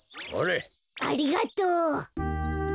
ありがとう。